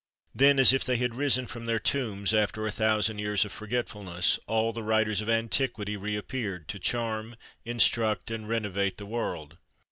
Then, as if they had risen from their tombs after a thousand years of forgetfulness, all the writers of antiquity re appeared, to charm, instruct, and renovate the world.